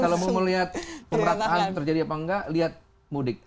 jadi kalau mau melihat pemerintahan terjadi apa enggak lihat mudik